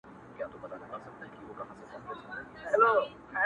o واه زرګر چناره دسروزرو منګوټي راغله,